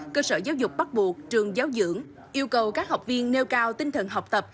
cơ sở giáo dục bắt buộc trường giáo dưỡng yêu cầu các học viên nêu cao tinh thần học tập